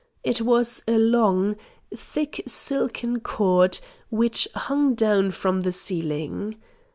It was a long, thick silken cord which hung down from the ceiling.